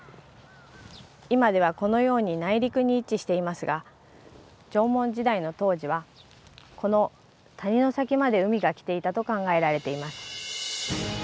今ではこのように内陸に位置していますが縄文時代の当時はこの谷の先まで海が来ていたと考えられています。